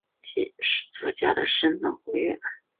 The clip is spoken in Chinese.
格雷西之后以房地产投资及军事史作家的身分活跃。